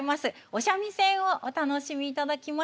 お三味線をお楽しみいただきます。